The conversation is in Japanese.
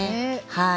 はい。